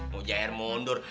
mau jahir mundur